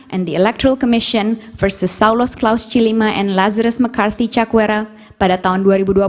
dan di electoral commission versus saulus klaus cilima dan lazarus mccarthy chakwera pada tahun dua ribu dua puluh